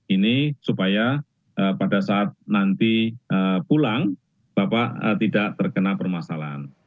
ini supaya pada saat nanti pulang bapak tidak terkena permasalahan